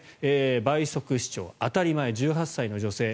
倍速視聴は当たり前１８歳の女性。